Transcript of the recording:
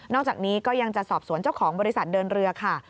อกจากนี้ก็ยังจะสอบสวนเจ้าของบริษัทเดินเรือค่ะ